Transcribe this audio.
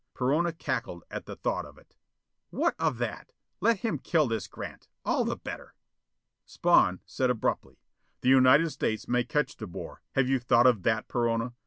Perona cackled at the thought of it. "What of that? Let him kill this Grant. All the better." Spawn said abruptly: "The United States may catch De Boer. Have you thought of that, Perona?